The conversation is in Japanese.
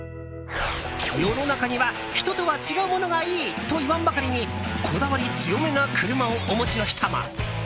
世の中には、人とは違うものがいいと言わんばかりにこだわり強めな車をお持ちの人も。